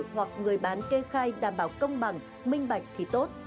hoặc người bán kê khai đảm bảo công bằng minh bạch thì tốt